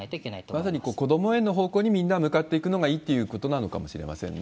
まさに子どもへの方向にみんな向かっていくのがいいっていうことなのかもしれませんね。